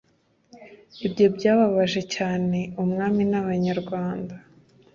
ibyo byababaje cyane umwami n'abanyarwanda